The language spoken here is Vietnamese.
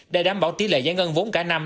để đảm bảo tỷ lệ giải ngân vốn cả năm